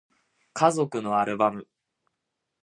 家族のアルバム